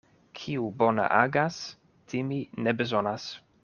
Kiu bone agas, timi ne bezonas.